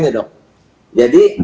ya dok jadi